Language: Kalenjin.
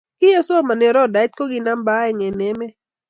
Kiyekisoma oradait ko ki namba oeng eng emet.